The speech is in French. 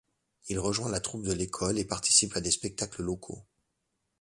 Il rejoint la troupe de l'école et participe à des spectacles locaux.